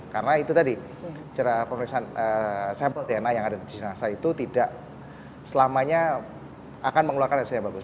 karena itu tadi cerah penulisan sampel dna yang ada di sinarasa itu tidak selamanya akan mengeluarkan hasil yang bagus